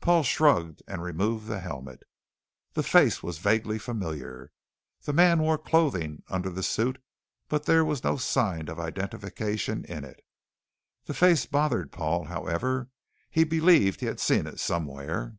Paul shrugged and removed the helmet. The face was vaguely familiar. The man wore clothing under the suit but there was no sign of identification in it. The face bothered Paul, however. He believed he had seen it somewhere.